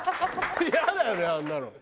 イヤだよねあんなの。